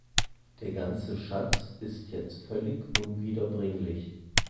Der ganze Schatz ist jetzt völlig unwiederbringlich.